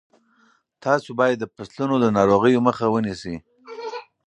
تاسو باید د فصلونو د ناروغیو مخه ونیسئ.